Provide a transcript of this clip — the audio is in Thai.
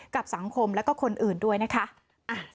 กับสังคมแล้วก็คนอื่นด้วยนะคะ